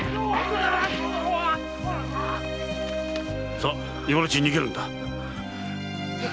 さあ今のうちに逃げるんだ。